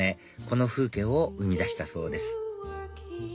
この風景を生み出したそうです